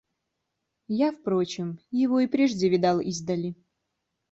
Я, впрочем, его и прежде видал издали.